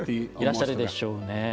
いらっしゃるでしょうね。